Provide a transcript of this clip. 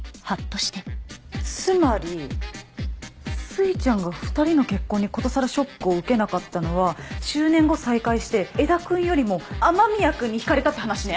つまりすいちゃんが２人の結婚にことさらショックを受けなかったのは１０年後再会して江田君よりも雨宮君にひかれたって話ね